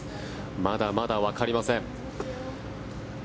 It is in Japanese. まだまだわかりません。